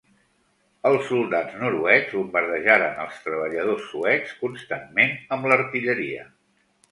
Els soldats noruecs bombardejaren els treballadors suecs constantment amb l'artilleria.